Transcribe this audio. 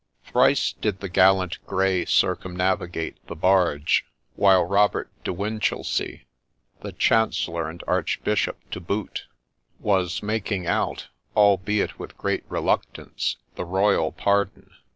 Thrice did the gallant grey circumnavigate the barge, while Robert de Winchelsey, the chancellor and archbishop to boot, was making out, albeit with great reluctance, the royal pardon.